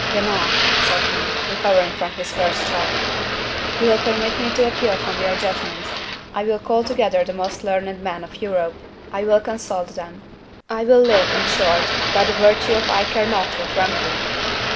"Guenaud," said he, recovering from his first shock, "you will permit me to appeal from your judgment. I will call together the most learned men of Europe: I will consult them. I will live, in short, by the virtue of I care not what remedy."